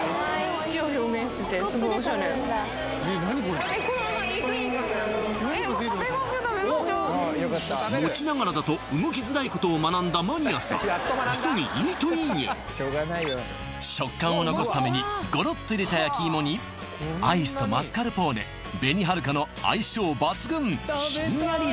土を表現しててすごいオシャレ持ちながらだと動きづらいことを学んだマニアさん食感を残すためにごろっと入れた焼き芋にアイスとマスカルポーネ紅はるかの相性抜群ひんやり